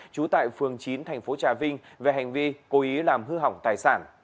trú tại phường chín thành phố trà vinh về hành vi cố ý làm hư hỏng tài sản